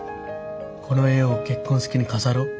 この絵を結婚式に飾ろう。